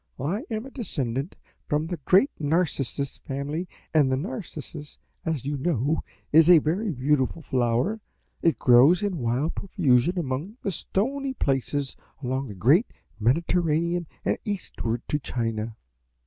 I am a descendant from the great Narcissus family, and the Narcissus, as you know, is a very beautiful flower; it grows in wild profusion among the stony places along the great Mediterranean and eastward to China.